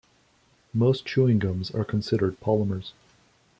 Most chewing gums are considered polymers.